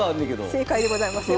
正解でございます。